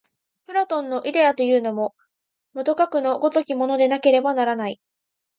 プラトンのイデヤというのも、もとかくの如きものでなければならない。